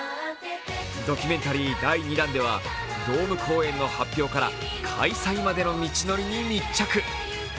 ドキュメンタリー第２弾ではドーム公演の発表から開催までの道のりに密着。